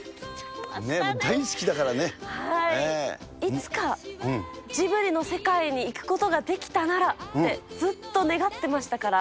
いつかジブリの世界に行くことができたならって、ずっと願ってましたから。